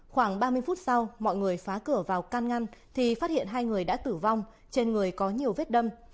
khoảng ba mươi phút sau mọi người phá cửa vào can ngăn thì phát hiện hai người đã tử vong trên người có nhiều vết đâm